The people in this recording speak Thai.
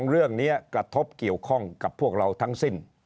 เรื่องนี้กระทบเกี่ยวข้องกับพวกเราทั้งสิ้น